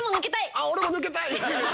あっ俺も抜けたい！